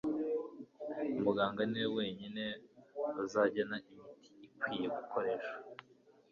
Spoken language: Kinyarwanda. muganga niwe wenyine uzagena imiti ukwiye gukoresha